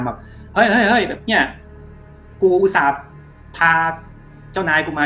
เฮ้ยแบบเนี่ยกูอุทาพาเจ้านายกูมา